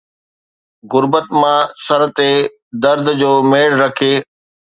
غربت مان سر تي درد جو ميڙ رکي